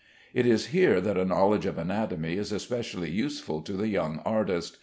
It is here that a knowledge of anatomy is especially useful to the young artist.